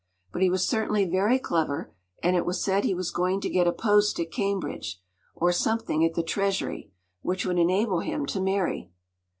But he was certainly very clever, and it was said he was going to get a post at Cambridge—or something at the Treasury—which would enable him to marry.